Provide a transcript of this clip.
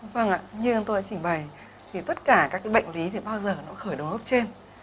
vâng ạ như ông tôi đã trình bày thì tất cả các bệnh lý thì bao giờ nó khởi đồng góp trên